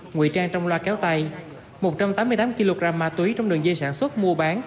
nguy trang trong loa kéo tay một trăm tám mươi tám kg ma túy trong đường dây sản xuất mua bán